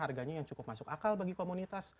harganya yang cukup masuk akal bagi komunitas